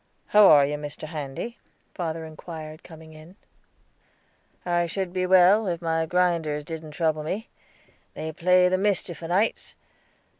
"How are you, Mr. Handy?" father inquired, coming in. "I should be well, if my grinders didn't trouble me; they play the mischief o'nights.